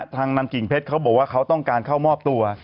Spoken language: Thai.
นำกิ่งเพชรเขาบอกว่าเขาต้องการเข้ามอบตัว